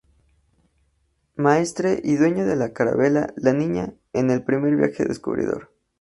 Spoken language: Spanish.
Maestre y dueño de la carabela "la Niña" en el primer viaje descubridor.